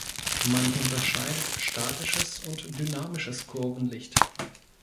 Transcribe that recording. Man unterscheidet statisches und dynamisches Kurvenlicht.